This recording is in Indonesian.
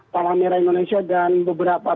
palang merah indonesia dan beberapa